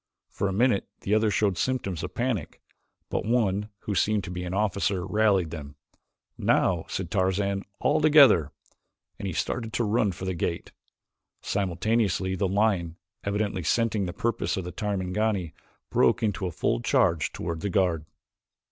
For a minute the others showed symptoms of panic but one, who seemed to be an officer, rallied them. "Now," said Tarzan, "all together!" and he started at a run for the gate. Simultaneously the lion, evidently scenting the purpose of the Tarmangani, broke into a full charge toward the guard.